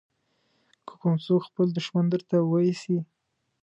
که کوم څوک خپل دښمن درته واېسي.